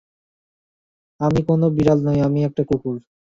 আমি কোন বিড়াল নই, আমি একটা কুকুর।